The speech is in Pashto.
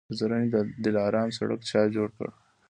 د زرنج دلارام سړک چا جوړ کړ؟